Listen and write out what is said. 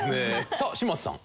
さあ嶋佐さん。